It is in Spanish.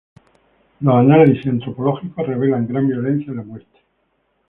Los análisis antropológicos revelan gran violencia en la muerte.